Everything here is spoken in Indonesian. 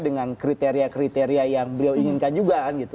dengan kriteria kriteria yang beliau inginkan juga